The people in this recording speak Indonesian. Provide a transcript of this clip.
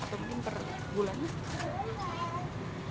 atau mungkin per bulan